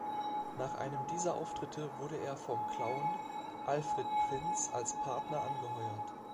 Nach einem dieser Auftritte wurde er vom Clown Alfred Prinz als Partner angeheuert.